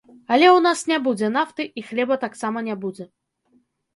Але ў нас не будзе нафты, і хлеба таксама не будзе.